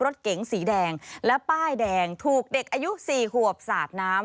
อ๋อเดี๋ยวไปดูกันค่ะ